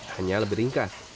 hanya lebih ringkas